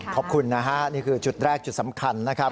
ขอบคุณนะฮะนี่คือจุดแรกจุดสำคัญนะครับ